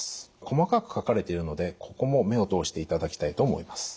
細かく書かれているのでここも目を通していただきたいと思います。